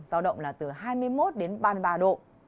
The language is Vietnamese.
giao động là từ hai mươi một đến ba mươi ba độ